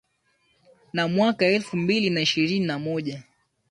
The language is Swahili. na mwaka elfu mbili na ishirini na moja